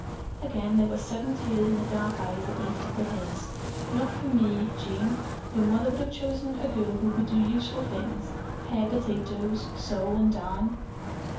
Again there were sudden tears in the dark eyes that were lifted to his. "Not for me, Jean. Your mother would have chosen a girl who could do useful things; pare potatoes, sew and darn."